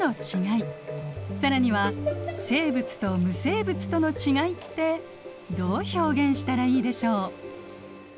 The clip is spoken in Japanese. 更には生物と無生物とのちがいってどう表現したらいいでしょう？